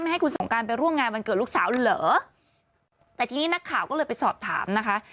ให้คุณสงการไปร่วมงานวันเกิดลูกสาวเหรอแต่ทีนี้นักข่าวก็เลยไปสอบถามนะคะ